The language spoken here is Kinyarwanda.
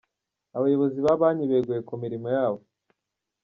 Abayobozi ba Banki beguye ku mirimo yabo